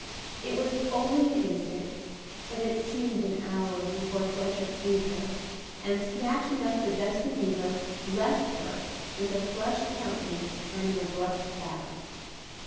It was only an instant, but it seemed an hour before Fletcher freed her, and snatching up the dusty beaver, left her with a flushed countenance and an abrupt bow.